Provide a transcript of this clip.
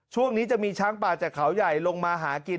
ช่วงนี้จะมีช้างป่าจากเขาใหญ่ลงมาหากิน